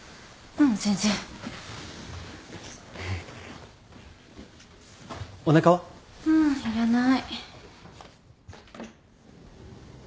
ううんいらない。